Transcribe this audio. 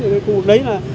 ở cái khu vực đấy là